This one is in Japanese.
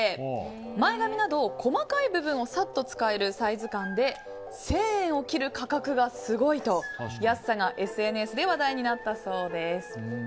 前髪など細かい部分をさっと使えるサイズ感で１０００円を切る価格がすごいと安さがＳＮＳで話題になったそうです。